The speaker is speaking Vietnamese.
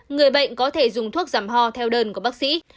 người bệnh có thể dùng thuốc giảm ho theo đơn của bác sĩ